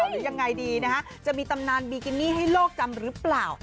หรือยังไงดีนะฮะจะมีตำนานบิกินี่ให้โลกจำหรือเปล่า